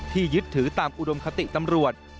ยึดถือตามอุดมคติตำรวจ